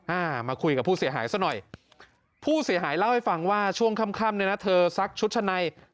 อ้ามาคุยกับผู้เสียหายซะหน่อย